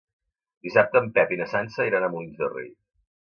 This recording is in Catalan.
Dissabte en Pep i na Sança iran a Molins de Rei.